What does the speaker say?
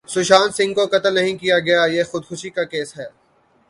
سشانت سنگھ کو قتل نہیں کیا گیا یہ خودکشی کا کیس ہے